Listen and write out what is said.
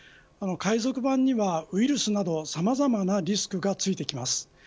海賊版にはウイルスなどさまざまなリスクがついてきます。